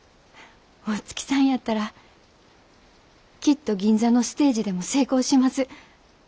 大月さんやったらきっと銀座のステージでも成功します。